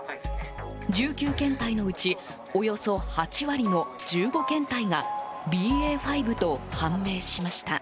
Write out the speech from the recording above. １９検体のうちおよそ８割の１５検体がＢＡ．５と判明しました。